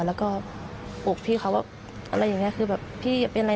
แล้วก็ปลูกพี่เขาว่าอะไรอย่างเงี้ยคือแบบพี่อย่าเป็นอะไร